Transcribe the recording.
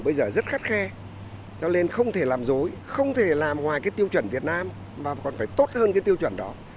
bây giờ rất khắt khe cho nên không thể làm dối không thể làm ngoài cái tiêu chuẩn việt nam mà còn phải tốt hơn cái tiêu chuẩn đó